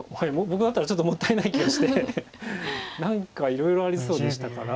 僕だったらちょっともったいない気がして何かいろいろありそうでしたから。